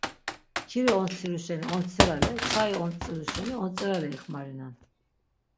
Mkiri ontsiru şeni ontsirale, çai ontziru şeni ontzirale ixmarinen.